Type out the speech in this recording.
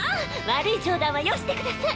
悪い冗談はよしてください。